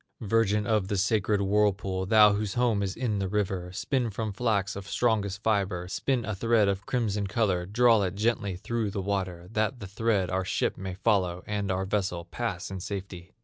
"Virgin of the sacred whirlpool, Thou whose home is in the river, Spin from flax of strongest fiber, Spin a thread of crimson color, Draw it gently through the water, That the thread our ship may follow, And our vessel pass in safety!